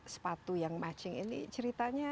sepatu yang matching ini ceritanya